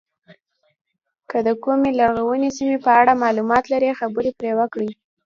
که د کومې لرغونې سیمې په اړه معلومات لرئ خبرې پرې وکړئ.